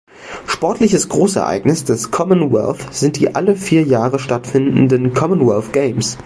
Sportliches Großereignis des Commonwealth sind die alle vier Jahre stattfindenden Commonwealth Games.